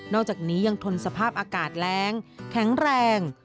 อกจากนี้ยังทนสภาพอากาศแรงแข็งแรง